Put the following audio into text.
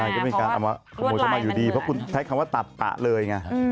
ใช่ก็มีการขโมยมาอยู่ดีเพราะคุณใช้คำว่าตับตะเลย